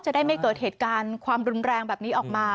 จะได้ไม่เกิดเหตุการณ์ความรุนแรงแบบนี้ออกมา